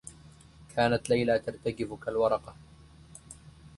كانت ليلى ترتجف كالورقة.